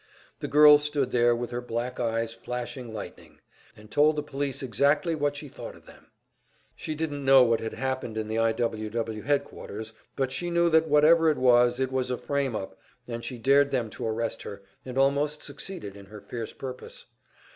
The girl stood there with her black eyes flashing lightnings, and told the police exactly what she thought of them. She didn't know what had happened in the I. W. W. headquarters, but she knew that whatever it was, it was a frame up, and she dared them to arrest her, and almost succeeded in her fierce purpose.